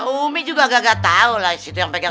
umi juga nggak tahu lah sih itu yang pentingnya ya